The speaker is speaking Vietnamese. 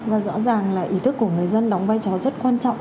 và rõ ràng là ý thức của người dân